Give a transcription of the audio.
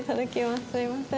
すみません。